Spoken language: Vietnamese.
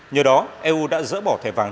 nhờ đó eu đã dỡ bỏ thẻ vàng